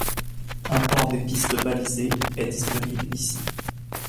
Un plan des pistes balisées est disponible ici.